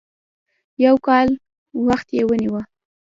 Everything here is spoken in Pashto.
يو کال وخت یې ونیو.